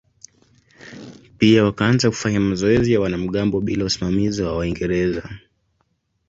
Pia wakaanza kufanya mazoezi ya wanamgambo bila usimamizi wa Waingereza.